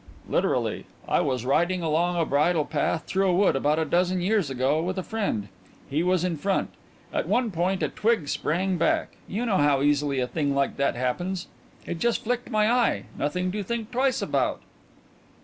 "Literally.... I was riding along a bridle path through a wood about a dozen years ago with a friend. He was in front. At one point a twig sprang back you know how easily a thing like that happens. It just flicked my eye nothing to think twice about."